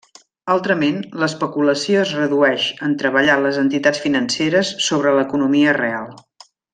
Altrament, l'especulació es redueix, en treballar les entitats financeres sobre l'economia real.